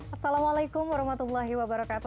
assalamualaikum warahmatullahi wabarakatuh